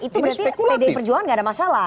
pdi perjuangan tidak ada masalah